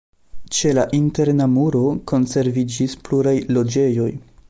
Ĉe la interna muro konserviĝis pluraj loĝejoj.